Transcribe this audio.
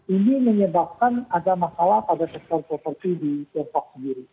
ini menyebabkan ada masalah pada sektor properti di tiongkok sendiri